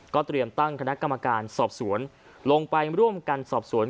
เตรียมตั้งคณะกรรมการสอบสวนลงไปร่วมกันสอบสวน